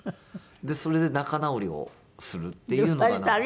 それで仲直りをするっていうのがなんか。